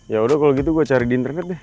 yaudah kalau gitu gue cari di internet deh